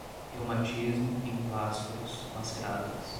reumatismo, emplastros, maceradas